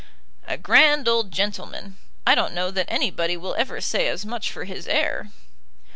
"A grand old gentleman! I don't know that anybody will ever say as much for his heir."